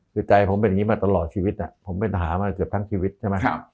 สิ่งใจผมสมัยเป็นตลอดชีวิตผมเป็นฐามาแค่ถึงเมืองมาก